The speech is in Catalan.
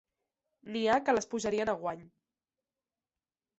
N'hi ha que les posarien a guany.